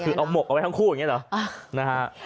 เอาหมกเอาไว้ทั้งคู่อย่างนี้หรอ